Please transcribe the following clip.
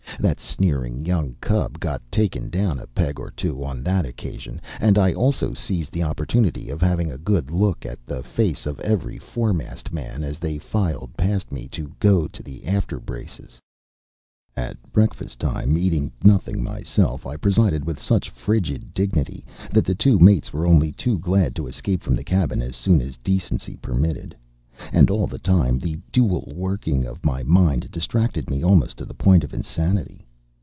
That sneering young cub got taken down a peg or two on that occasion, and I also seized the opportunity of having a good look at the face of every foremast man as they filed past me to go to the after braces. At breakfast time, eating nothing myself, I presided with such frigid dignity that the two mates were only too glad to escape from the cabin as soon as decency permitted; and all the time the dual working of my mind distracted me almost to the point of insanity.